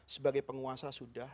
sebagai penguasa sudah